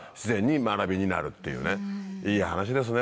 いい話ですね